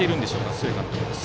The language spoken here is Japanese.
須江監督です。